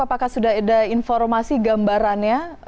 apakah sudah ada informasi gambarannya